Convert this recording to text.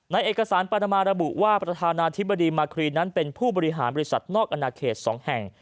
ในเอกสารปานามาระบุว่าประธานาธิบดีมาครีนั้นเป็นผู้บริหารบริษัทนอกอนาเขต๒แห่ง